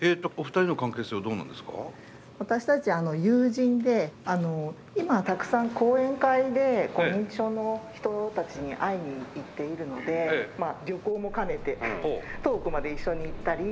私たちは友人で今たくさん講演会で認知症の人たちに会いに行っているのでまあ旅行も兼ねて遠くまで一緒に行ったり。